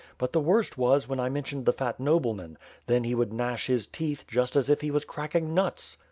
But the worst was, when I mentioned the fat nobleman. Then he would gnash his teeth, just as if he was cracking nuts."